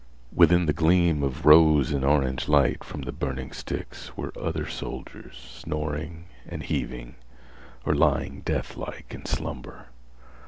Within the gleam of rose and orange light from the burning sticks were other soldiers, snoring and heaving, or lying deathlike in slumber.